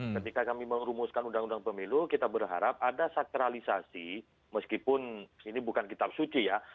ketika kami merumuskan undang undang pemilu kita berharap ada saktralisasi meskipun ini bukan kitab suci ya